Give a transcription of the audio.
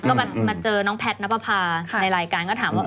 ก็มาเจอน้องแพทย์นับประพาในรายการก็ถามว่า